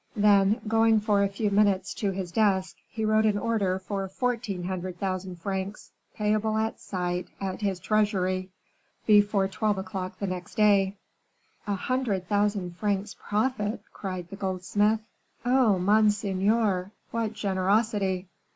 Then, going for a few moments to his desk, he wrote an order for fourteen hundred thousand francs, payable at sight, at his treasury, before twelve o'clock the next day. "A hundred thousand francs profit!" cried the goldsmith. "Oh, monseigneur, what generosity!"